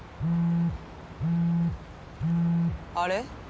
「あれ？